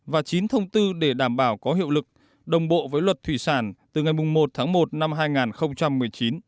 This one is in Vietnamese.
và chín thông tư để đảm bảo có hiệu lực đồng bộ với luật thủy sản từ ngày một tháng một năm hai nghìn một mươi chín